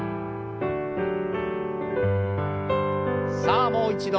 さあもう一度。